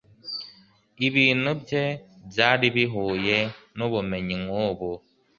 ibintu bye byari bihuye nubumenyi nkubu